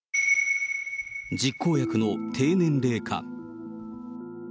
実行役の低年齢化。